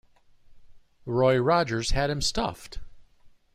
Roy Rogers had him stuffed!.